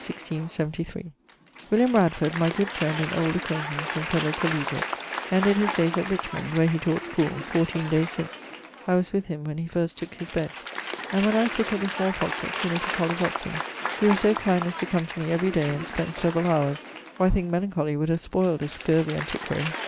William Radford, my good friend and old acquaintance and fellow coll, ended his dayes at Richmond, where he taught schoole, 14 dayes since. I was with him when he first tooke his bed. And when I was sick of the small pox at Trinity College Oxon, he was so kind as to come to me every day and spend severall houres, or I thinke melancholy would have spoyled a scurvey antiquary.